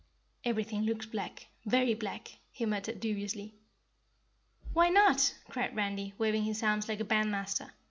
"Everything looks black, very black," he muttered dubiously. "Why not?" cried Randy, waving his arms like a bandmaster.